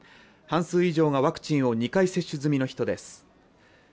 半数以上がワクチンを２回接種済みの人です。